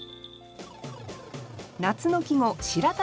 夏の季語「白玉」